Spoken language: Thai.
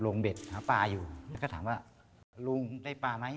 เบ็ดหาปลาอยู่แล้วก็ถามว่าลุงได้ปลาไหม